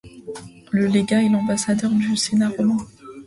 Le légat est l’ambassadeur du Sénat romain.